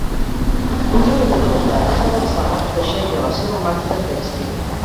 Un treballador d'edat avançada teixeix a la seva màquina tèxtil.